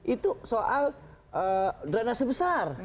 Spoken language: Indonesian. itu soal drenase besar